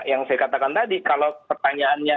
yang saya katakan tadi kalau pertanyaannya